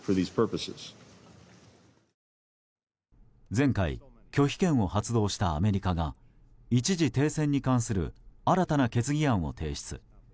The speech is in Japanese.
前回、拒否権を発動したアメリカが一時停戦に関する新たな決議案を提出。